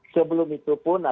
sebelum itu pun ada yang berkata